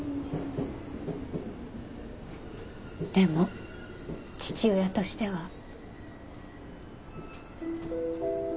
でも父親としては。